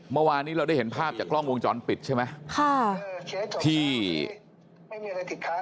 เมื่อวานนี้เราได้เห็นภาพจากกล้องวงจรปิดใช่ไหมค่ะที่ไม่มีอะไรสินค้า